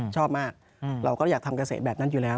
ชอบมากเราก็อยากทำเกษตรแบบนั้นอยู่แล้ว